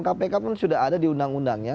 kpk pun sudah ada di undang undangnya